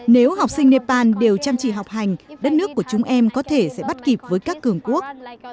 nếu học sinh nepal đều chăm chỉ học hành đất nước của chúng em có thể sẽ bắt kịp với các cường quốc